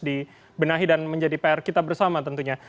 yang kemudian harus dibenahi dan menjadi pr kita bersama tentunya